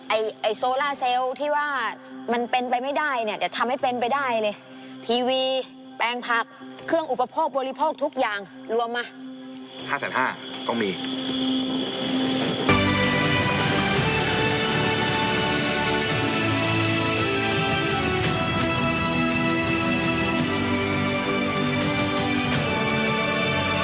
ไอ้โซล่าเซลล์ที่ว่ามันเป็นไปไม่ได้เนี่ยจะทำให้เป็นไปได้เลยทีวีแปลงผักเครื่องอุปโภคบริโภคทุกอย่างรวมมา๕๕๐๐ก็มี